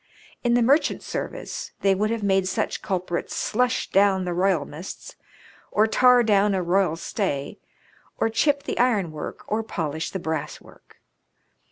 In the merchant service they would have made such culprits slush down the royalmasts, or tar down a royal stay, or chip the ironwork, or polish the brasswork.